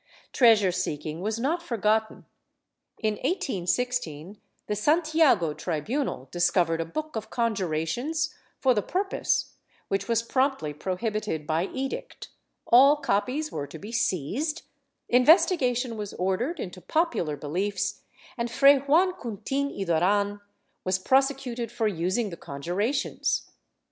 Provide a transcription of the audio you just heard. ^ Treasure seeking was not forgotten. In 1816 the Santiago tribunal discovered a book of conjurations for the pur pose, which was promptly prohibited by edict, all copies were to be seized, investigation was ordered into popular beliefs and Fray Juan Cuntin y Duran was pTosecuted for using the conjurations.